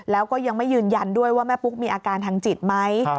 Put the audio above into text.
แล้วก็ยังไม่ยืนยันด้วยว่าแม่ปุ๊กมีอาการทางจิตไหม